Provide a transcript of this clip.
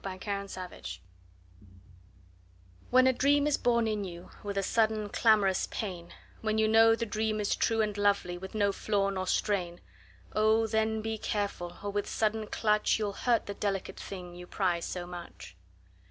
Y Z A Pinch of Salt WHEN a dream is born in you With a sudden clamorous pain, When you know the dream is true And lovely, with no flaw nor strain, O then, be careful, or with sudden clutch You'll hurt the delicate thing you prize so much.